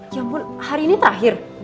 ya ampun hari ini terakhir